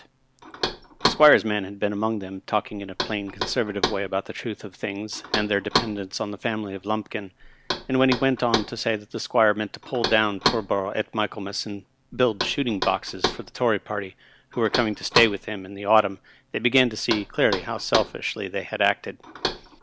171 The Squire's man had been among them, talking in a plain Conservative way about the truth of things, and their dependence on the family of Lumpkin ; and when he went on to say that the Squire meant to pull down Pullborough at Michaelmas and build shooting boxes for the Tory party, who were coming to stay with him in the autumn, they began to see clearly how selfishly they had acted.